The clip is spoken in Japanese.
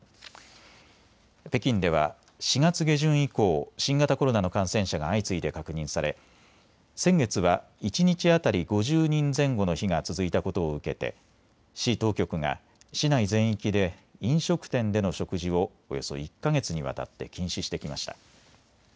北京では４月下旬以降、新型コロナの感染者が相次いで確認され先月は一日当たり５０人前後の日が続いたことを受けて市当局が市内全域で飲食店での食事をおよそ１か月にわたって禁止してきました。